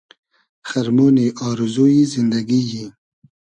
خئرمۉنی آرزو یی زیندئگی یی